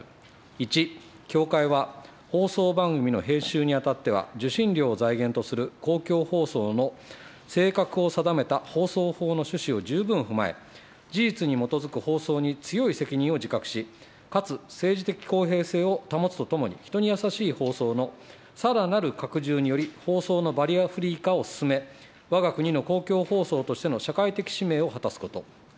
１、協会は放送番組の編集にあたっては、受信料を財源とする公共放送の性格を定めた放送法の趣旨を十分踏まえ、事実に基づく放送に強い責任を自覚し、かつ政治的公平性を保つとともに、人に優しい放送のさらなる拡充により、放送のバリアフリー化を進め、わが国の公共放送としての社会的使命を果たすこと。